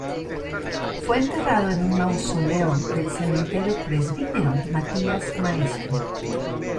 Fue enterrado en un mausoleo del Cementerio Presbítero Matías Maestro.